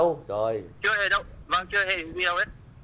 chưa dự thi ở đâu